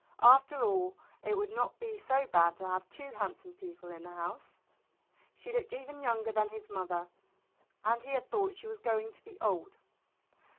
After all, it would not be so bad to have two handsome people in the house. She looked even younger than his mother, and he had thought she was going to be old.